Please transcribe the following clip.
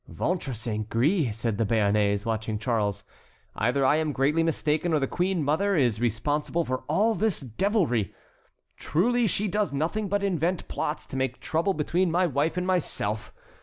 "Ventre saint gris!" said the Béarnais, watching Charles, "either I am greatly mistaken, or the queen mother is responsible for all this deviltry. Truly, she does nothing but invent plots to make trouble between my wife and myself.